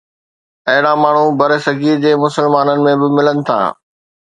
اهڙا ماڻهو برصغير جي مسلمانن ۾ به ملن ٿا.